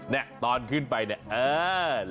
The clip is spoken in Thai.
เนี่ยตอนขึ้นไปเนี่ยเออ